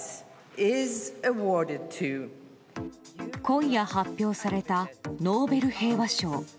今夜発表されたノーベル平和賞。